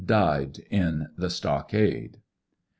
died in the stockade.